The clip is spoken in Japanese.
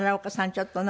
ちょっとね